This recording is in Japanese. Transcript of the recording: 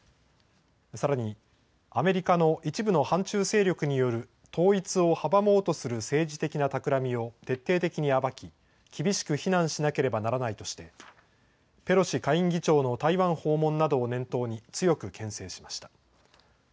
さらにアメリカの一部の反中勢力による統一を阻もうとする政治的なたくらみを徹底的に暴き厳しく非難しなければならないとしてペロシ下院議長の台湾訪問などを念頭に強くけん制しました。